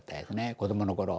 子供の頃。